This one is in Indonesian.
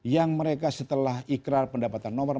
yang mereka setelah ikrar pendapatan nomor